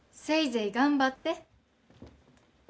せいぜい頑張って。